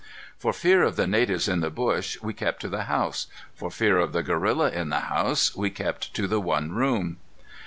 For fear of the natives in the bush, we kept to the house. For fear of the gorilla in the house, we kept to the one room.